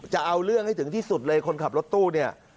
จะเอาเรื่องให้ถึงที่สุดเลยคนขับรถตู้เนี่ย